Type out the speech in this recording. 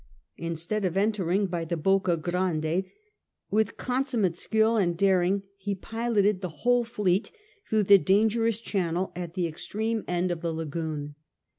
Instead of entering by the Bocca Grande^ with consummate skill and daring he piloted the whole fleet through the dangerous channel at the extreme end VIII CAPTURE OF CARTAGENA 109 of the lagoon.